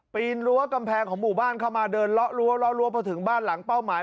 นรั้วกำแพงของหมู่บ้านเข้ามาเดินเลาะรั้วเลาะรั้วพอถึงบ้านหลังเป้าหมาย